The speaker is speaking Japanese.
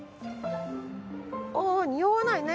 ああにおわないね。